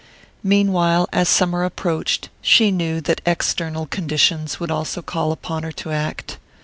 Meanwhile, as summer approached, she knew that external conditions would also call upon her to act.